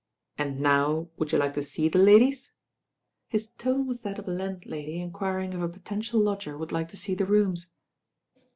And now, would you like to see the ladies?" His tone was that of a landlady inquiring if a potential lodger would like to see the rooms.